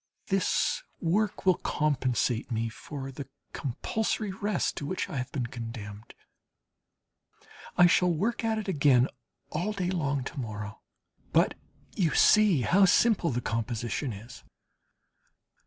This work will compensate me for the compulsory rest to which I have been condemned. I shall work at it again all day long to morrow; but you see how simple the composition is.